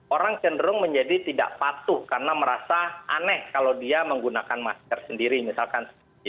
orang cenderung menjadi tidak patuh karena merasa aneh kalau dia menggunakan masker sendiri misalkan